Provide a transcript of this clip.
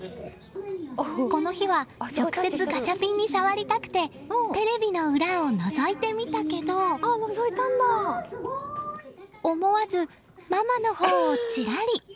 この日は直接ガチャピンに触りたくてテレビの裏をのぞいてみたけど思わずママのほうをチラリ。